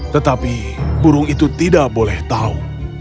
tetapi burung itu tidak boleh tahu